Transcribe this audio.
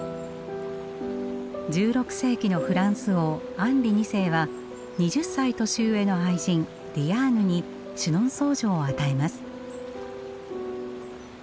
１６世紀のフランス王アンリ二世は２０歳年上の愛人ディアーヌにシュノンソー城を与えます。